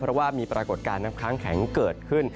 เพราะว่ามีปรากฏการณ์น้ำค้างแข็งเกิดขึ้น